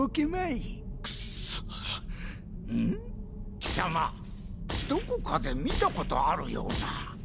貴様どこかで見たことあるような。